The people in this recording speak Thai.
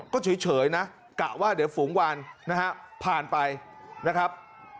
ก็เฉยนะกะว่าเดี๋ยวฝูงวานนะฮะผ่านไปนะครับ